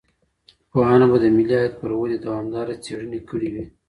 پوهانو به د ملي عاید پر ودي دوامداره څیړني کړي وي.